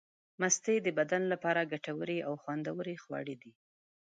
مستې د بدن لپاره ګټورې او خوندورې خواړه دي.